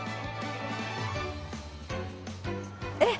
えっ？